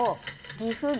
岐阜城